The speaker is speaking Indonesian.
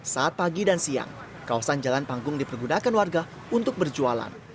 saat pagi dan siang kawasan jalan panggung dipergunakan warga untuk berjualan